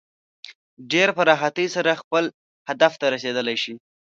ډېر په راحتۍ سره خپل هدف ته رسېدلی شي.